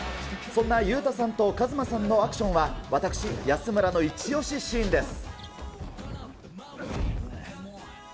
そんなユウタさんと壱馬さんのアクションは、私、安村の一押しシーンです。